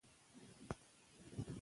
لوستې میندې د ماشوم ژوند ښه کوي.